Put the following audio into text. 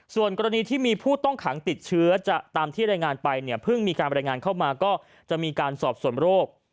ส่วนกรณีที่มีผู้ต้องขังติดเชื้อจะตามที่รายงานไปเนี่ยเพิ่งมีการบรรยายงานเข้ามาก็จะมีการสอบส่วนโรค